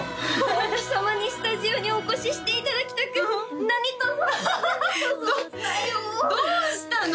前田様にスタジオにお越ししていただきたく何とぞ何とぞお伝えをどうしたの？